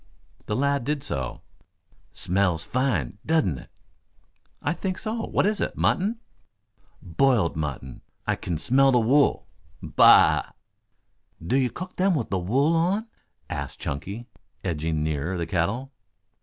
The lad did so. "Smells fine, doesn't it?" "I think so. What is it, mutton?" "Boiled mutton. I kin smell the wool. Bah." "Do you cook them with the wool on?" asked Chunky, edging nearer the kettle.